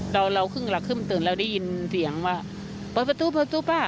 เราเราขึ้นกลับขึ้นมาตื่นเราได้ยินเสียงว่าเปิดประตูเปิดประตูป่ะ